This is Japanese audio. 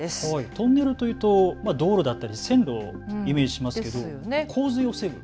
トンネルというと道路だったり線路をイメージしますけど、洪水を防ぐ。